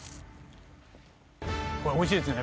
おいしいですね。